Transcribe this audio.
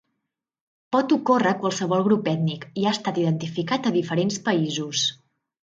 Pot ocórrer a qualsevol grup ètnic i ha estat identificat a diferents països.